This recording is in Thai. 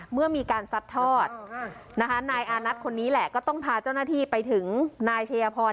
เมื่อมีการซัดทอดนะคะนายอานัทคนนี้แหละก็ต้องพาเจ้าหน้าที่ไปถึงนายชัยพร